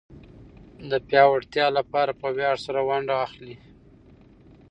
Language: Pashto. د پياوړتيا لپاره په وياړ سره ونډه اخلي.